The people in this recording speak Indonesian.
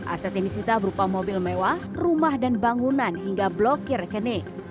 aset yang disita berupa mobil mewah rumah dan bangunan hingga blokir rekening